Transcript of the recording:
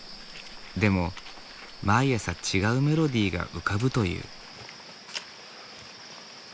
でも毎朝違うメロディーが浮かぶという。